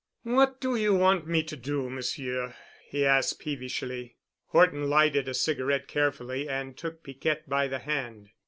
"What do you want me to do, Monsieur?" he asked peevishly. Horton lighted a cigarette carefully and took Piquette by the hand.